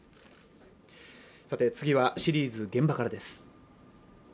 さて次はシリーズ「現場から」です